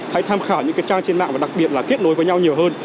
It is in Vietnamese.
hãy tham khảo những cái trang trên mạng và đặc biệt là kết nối với nhau nhiều hơn